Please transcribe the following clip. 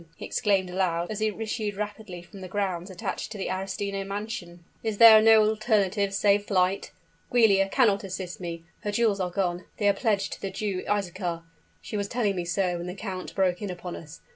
he exclaimed aloud, as he issued rapidly from the grounds attached to the Arestino mansion; "is there no alternative save flight? Giulia cannot assist me her jewels are gone, they are pledged to the Jew Isaachar she was telling me so when the count broke in upon us.